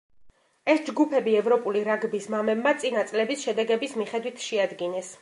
ეს ჯგუფები ევროპული რაგბის მამებმა წინა წლების შედეგების მიხედვით შეადგინეს.